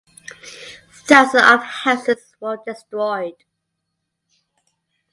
Thousands of houses were destroyed.